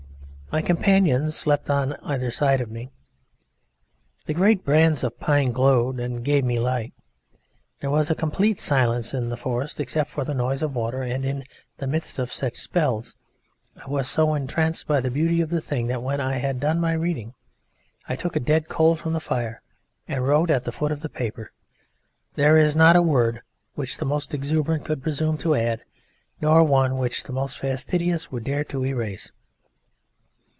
My companions slept on either side of me. The great brands of pine glowed and gave me light; there was a complete silence in the forest except for the noise of water, and in the midst of such spells I was so entranced by the beauty of the thing that when I had done my reading I took a dead coal from the fire and wrote at the foot of the paper: "There is not a word which the most exuberant could presume to add, nor one which the most fastidious would dare to erase."